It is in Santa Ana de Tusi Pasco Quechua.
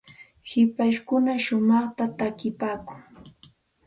hipashkuna shumaqta takipaakun.